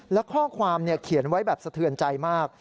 และข้อความเขียนไว้แบบสะเทือนใจมาก